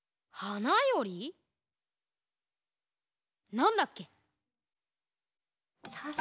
なんだっけ？